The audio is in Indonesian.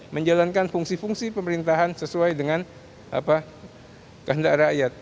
menjalankan fungsi fungsi pemerintahan sesuai dengan kandak rakyat